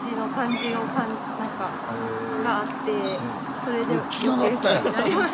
それで余計好きになりました。